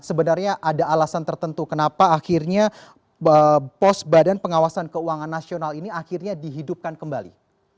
sebenarnya ada alasan tertentu kenapa akhirnya pos badan pengawasan keuangan nasional ini akhirnya dihidupkan kembali